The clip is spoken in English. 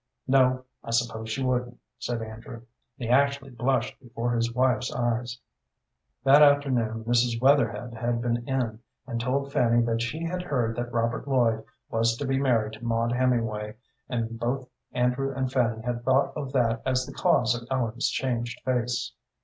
"No, I suppose she wouldn't," said Andrew; and he actually blushed before his wife's eyes. That afternoon Mrs. Wetherhed had been in, and told Fanny that she had heard that Robert Lloyd was to be married to Maud Hemingway; and both Andrew and Fanny had thought of that as the cause of Ellen's changed face.